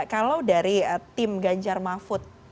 kalau dari tim ganjar mahfud